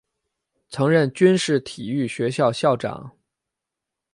曾任军事体育学校校长。